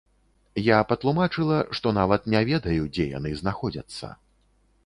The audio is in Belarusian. Я патлумачыла, што нават не ведаю, дзе яны знаходзяцца.